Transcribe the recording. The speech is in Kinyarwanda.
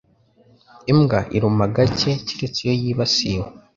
Imbwa iruma gake keretse iyo yibasiwe.